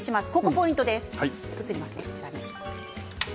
ポイントです。